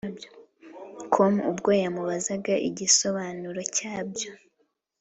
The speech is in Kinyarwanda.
com ubwo yamubazaga igisobanuro cyabyo